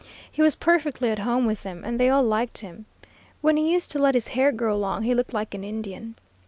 He was perfectly at home with them, and they all liked him. When he used to let his hair grow long, he looked like an Indian.